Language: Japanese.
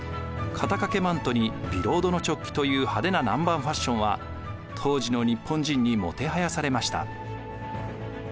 肩掛けマントにビロードのチョッキという派手な南蛮ファッションは当時の日本人にもてはやされました。